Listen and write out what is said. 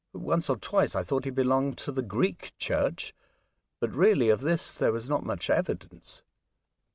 Once or twice I thought he belonged to the Greek Church, but really of this there was not much evidence.